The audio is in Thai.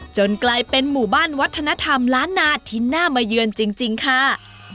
กลายเป็นหมู่บ้านวัฒนธรรมล้านนาที่น่ามาเยือนจริงค่ะ